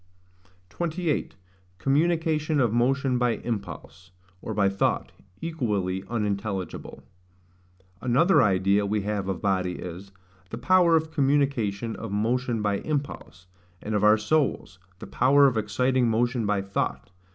28. Communication of Motion by Impulse, or by Thought, equally unintelligible. Another idea we have of body is, THE POWER OF COMMUNICATION OF MOTION BY IMPULSE; and of our souls, THE POWER OF EXCITING MOTION BY THOUGHT.